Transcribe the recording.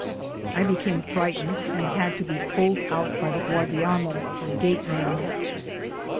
I became frightened and had to be pulled out by the "guardiano," or gateman.